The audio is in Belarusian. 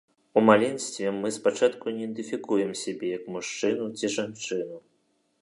У маленстве мы спачатку не ідэнтыфікуем сябе як мужчыну ці жанчыну.